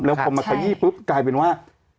แล้วพอมาขยี้ปุ๊บกลายเป็นว่า